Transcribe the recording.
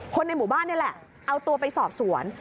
คนในหมู่บ้านนี่แหละเอาตัวไปสอบสวน